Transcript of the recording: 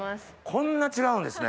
こんな違うんですね。